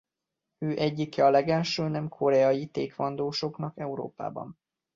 Ő egyike a legelső nem koreai Taekwon-dósoknak Európában.